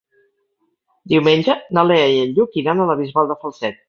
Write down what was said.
Diumenge na Lea i en Lluc iran a la Bisbal de Falset.